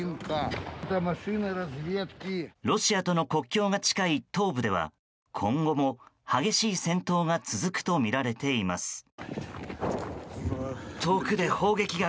ロシアとの国境が近い東部では今後も激しい戦闘が続くとみられています。